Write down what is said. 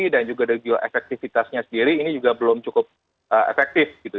dan juga efektivitasnya sendiri ini juga belum cukup efektif gitu